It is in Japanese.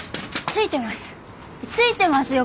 ついてますよ